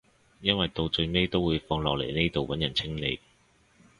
因為到最尾都會放落呢度揾人清理